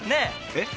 えっ？